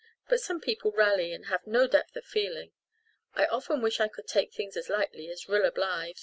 But some people really have no depth of feeling. I often wish I could take things as lightly as Rilla Blythe."